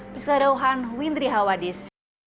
bisa dohan windri hawadis